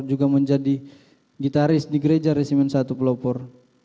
juga menjadi gitaris di gereja resimen satu pelopor